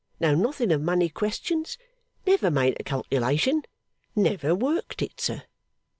Know nothing of money questions. Never made a calculation. Never worked it, sir!